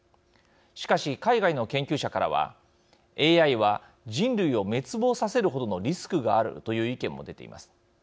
しかし海外の研究者からはＡＩは人類を滅亡させるほどのリスクがあるという意見も出ています。